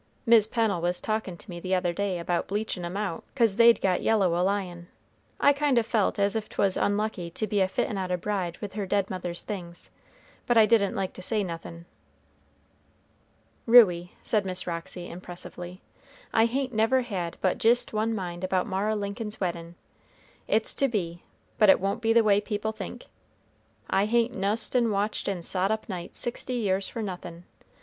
Mis' Pennel was talkin' to me the other day about bleachin' 'em out 'cause they'd got yellow a lyin'. I kind o' felt as if 'twas unlucky to be a fittin' out a bride with her dead mother's things, but I didn't like to say nothin'." "Ruey," said Miss Roxy impressively, "I hain't never had but jist one mind about Mara Lincoln's weddin', it's to be, but it won't be the way people think. I hain't nussed and watched and sot up nights sixty years for nothin'.